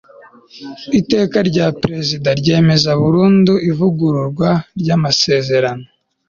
iteka rya perezida ryemeza burundu ivugururwa ry'amasezerano